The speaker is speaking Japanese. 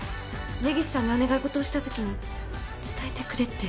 根岸さんにお願い事をしたときに伝えてくれって。